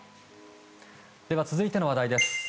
では続いての話題です。